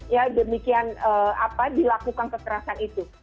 ya demikian apa dilakukan kekerasan itu